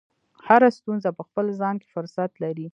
هره ستونزه په خپل ځان کې فرصت لري.